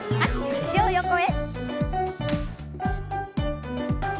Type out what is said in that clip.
脚を横へ。